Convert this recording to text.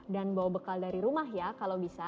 dan bawa bekal dari rumah ya kalau bisa